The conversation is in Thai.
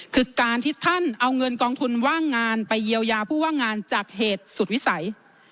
คือการที่ท่านเอาเงินกองทุนว่างงานไปเยียวยาผู้ว่างงานจากเหตุสุดวิสัย